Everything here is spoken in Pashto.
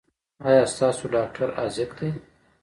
ایا ستاسو ډاکټر حاذق دی؟